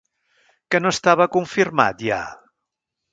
Que no estava confirmat, ja?